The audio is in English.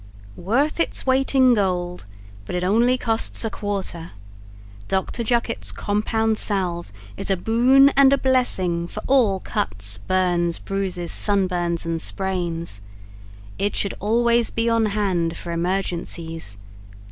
Worth Its Weight In Gold But It Only Costs a Quarter DR. JUCKET'S COMPOUND SALVE is a boon and a blessing for all Cuts, Burns, Bruises, Sunburns and Sprains. It should always be on hand for emergencies.